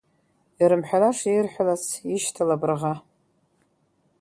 Ирымҳәалашеи ирҳәалац, ишьҭалап раӷа…